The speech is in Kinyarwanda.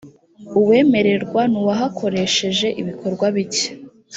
uwemererwa ni uwahakoresheje ibikorwa bike.